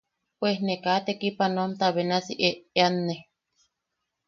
Pues ne kaa tekipanoanta benasi eʼeanne.